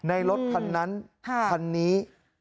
ในรถคันนั้นคันนี้